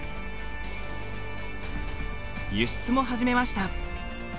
輸出も始めました。